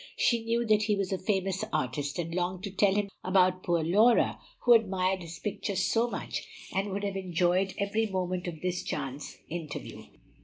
She knew that he was a famous artist, and longed to tell him about poor Laura, who admired his pictures so much and would have enjoyed every moment of this chance interview.